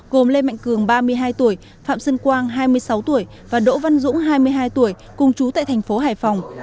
gồm lê mạnh cường ba mươi hai tuổi phạm sơn quang hai mươi sáu tuổi và đỗ văn dũng hai mươi hai tuổi cùng chú tại thành phố hải phòng